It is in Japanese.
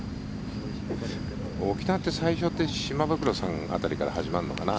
沖縄って、最初って島袋さん辺りから始まるのかな。